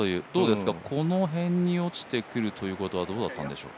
この辺に落ちてくるということはどうだったんでしょう。